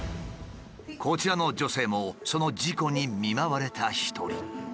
こちらの女性もその事故に見舞われた一人。